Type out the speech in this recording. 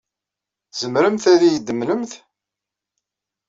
Tzemremt ad iyi-d-temlemt?